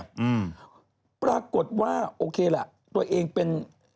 มาปรากฏว่าโอเคแล้วตัวเองเป็น